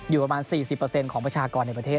แล้วก็ฟิลิปปินส์อยู่ประมาณ๔๐ของประชากรในประเทศ